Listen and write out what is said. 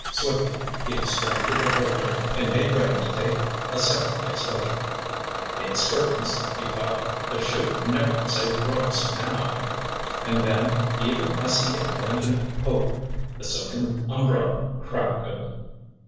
Swiftly he extracted the holder and made ready to take a second exposure. "It's curtains," he thought. "The 'chute never can save Brooks now." And then, even as he abandoned hope, the silken umbrella cracked open.